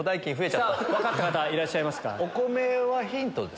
分かった方いらっしゃいますか？